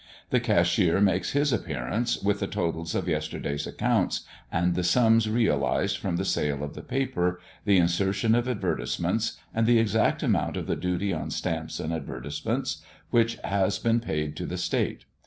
The cashier makes his appearance, with the totals of yesterday's accounts, and the sums realised from the sale of the paper, the insertion of advertisements, and the exact amount of the duty on stamps and advertisements, which has been paid to the state.